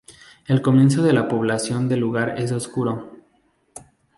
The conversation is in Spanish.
El comienzo de la población del lugar es oscuro.